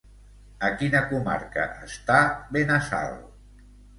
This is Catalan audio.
A quina comarca està Benassal?